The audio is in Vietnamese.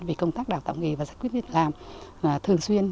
về công tác đào tạo nghề và giải quyết việc làm thường xuyên